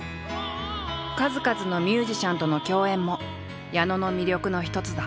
数々のミュージシャンとの共演も矢野の魅力の一つだ。